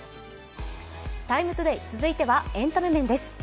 「ＴＩＭＥ，ＴＯＤＡＹ」続いてはエンタメ面です。